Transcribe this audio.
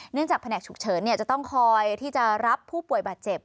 จากแผนกฉุกเฉินจะต้องคอยที่จะรับผู้ป่วยบาดเจ็บ